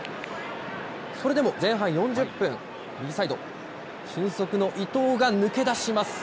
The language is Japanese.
それでも前半４０分、右サイド、俊足の伊東が抜け出します。